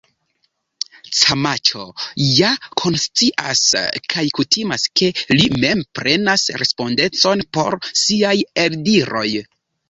Camacho ja konscias kaj kutimas ke li mem prenas respondecon por siaj eldiroj.